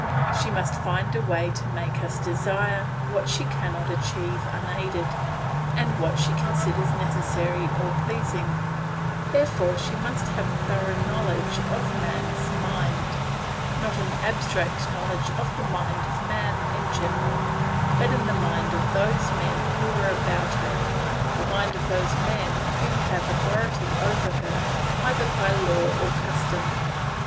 She must find a way to make us desire what she cannot achieve unaided and what she considers necessary or pleasing; therefore she must have a thorough knowledge of man's mind; not an abstract knowledge of the mind of man in general, but the mind of those men who are about her, the mind of those men who have authority over her, either by law or custom.